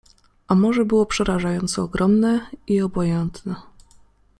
A morze było przerażająco ogromne i obojętne.